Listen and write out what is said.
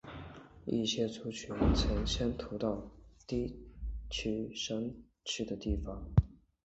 一些族群曾迁徙到低地及山区的地方。